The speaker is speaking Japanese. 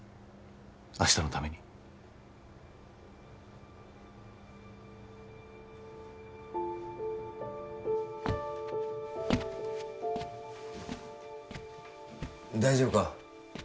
明日のために大丈夫か？